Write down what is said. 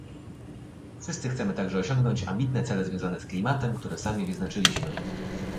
Wszyscy chcemy także osiągnąć ambitne cele związane z klimatem, które sami wyznaczyliśmy